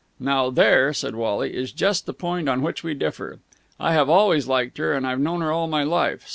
"Now there," said Wally, "is just the point on which we differ. I have always liked her, and I've known her all my life.